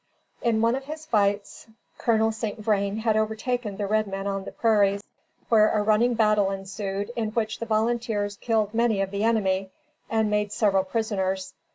In one of his fights, Col. St. Vrain had overtaken the red men on the prairies, where a running battle ensued, in which the volunteers killed many of the enemy, and made several prisoners.